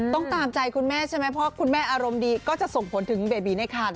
ตามใจคุณแม่ใช่ไหมเพราะคุณแม่อารมณ์ดีก็จะส่งผลถึงเบบีในคัน